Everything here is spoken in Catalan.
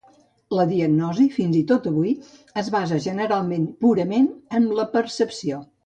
La diagnosi, fins i tot avui, es basa generalment purament en la percepció.